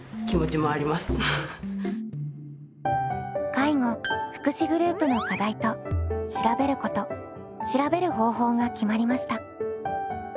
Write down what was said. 介護・福祉グループの課題と「調べること」「調べる方法」が決まりました。